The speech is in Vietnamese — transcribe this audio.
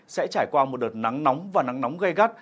sẽ trải qua một đợt nắng nóng và nắng nóng gây gắt